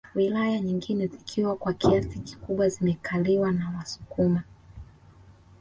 Wilaya nyingine zikiwa kwa kiasi kikubwa zimekaliwa na wasukuma